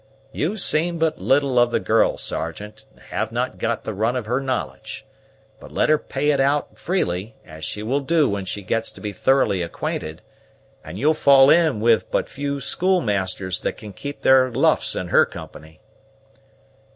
You've seen but little of the girl, Sergeant, and have not got the run of her knowledge; but let her pay it out freely, as she will do when she gets to be thoroughly acquainted, and you'll fall in with but few schoolmasters that can keep their luffs in her company."